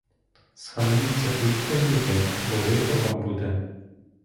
Схаменіться, будьте люди, бо лихо вам буде!